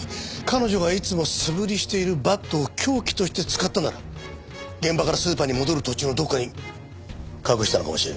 彼女がいつも素振りしているバットを凶器として使ったなら現場からスーパーに戻る途中のどこかに隠したのかもしれないな。